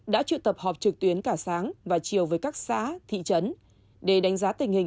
đã trự tập họp trực tuyến cả sáng và chiều với các xã thị trấn để đánh giá tình hình